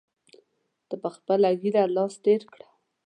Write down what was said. په خپله ږیره یې لاس تېر کړ.